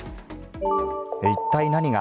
一体何が？